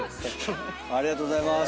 ありがとうございます。